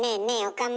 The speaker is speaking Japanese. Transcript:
岡村。